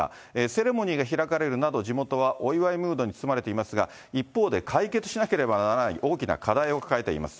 セレモニーが開かれるなど、地元はお祝いムードに包まれていますが、一方で解決しなければならない大きな課題を抱えています。